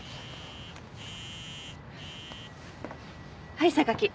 はい榊。